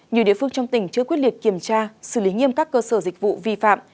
nhiều địa phương trong tỉnh chưa quyết liệt kiểm tra xử lý nghiêm các cơ sở dịch vụ vi phạm